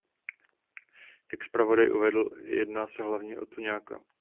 Jak zpravodaj uvedl, jedná se hlavně o tuňáka.